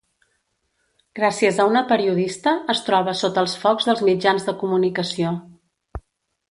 Gràcies a una periodista, es troba sota els focs dels mitjans de comunicació.